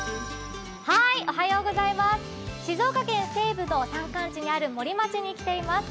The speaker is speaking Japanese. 静岡県西部の山間地にある森町に来ています。